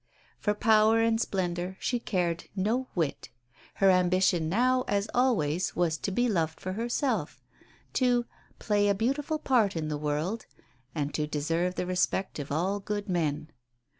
For power and splendour she cared no whit. Her ambition now, as always, was to be loved for herself, to "play a beautiful part in the world," and to deserve the respect of all good men.